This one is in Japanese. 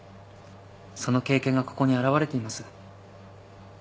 その経験がここに表れています。